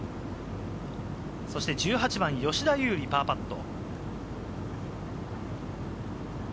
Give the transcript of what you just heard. そして１８番、吉田優利のパーパット。